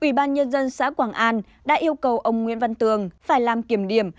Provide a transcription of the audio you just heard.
ủy ban nhân dân xã quảng an đã yêu cầu ông nguyễn văn tường phải làm kiểm điểm